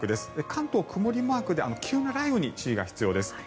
関東、曇りマークで急な雷雨に注意が必要です。